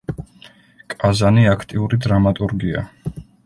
კაზანი აქტიური დრამატურგია.